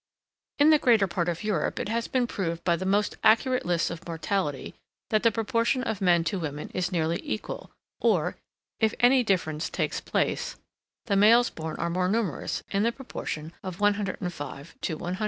"In the greater part of Europe it has been proved by the most accurate lists of mortality, that the proportion of men to women is nearly equal, or, if any difference takes place, the males born are more numerous, in the proportion of 105 to 100."